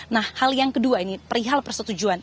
nah hal yang kedua ini perihal persetujuan